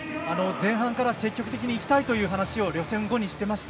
前半から積極的にいきたいという話を予選後にしていました。